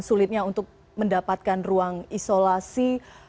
sulitnya untuk mendapatkan ruang isolasi